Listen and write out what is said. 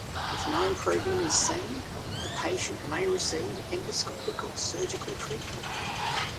If no improvement is seen, the patient may receive endoscopic or surgical treatment.